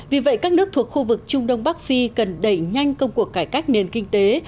vì vậy các nước thuộc khu vực trung đông bắc phi cần đẩy nhanh công cuộc cải cách nền kinh tế